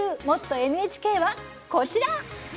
「もっとＮＨＫ」はこちら。